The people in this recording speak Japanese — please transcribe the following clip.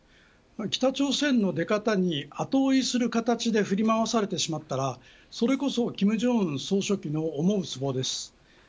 北朝鮮の出方に後追いする形で振り回されてしまったらそれこそ金正恩総書記の思うつぼです。